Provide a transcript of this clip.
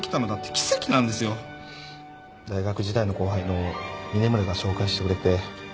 大学時代の後輩の峰村が紹介してくれて。